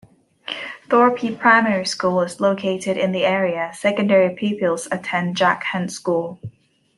Thorpe Primary school is located in the area; secondary pupils attend Jack Hunt School.